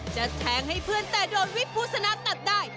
จะแทงให้เพื่อนแต่โดนวิภุสนับตัดได้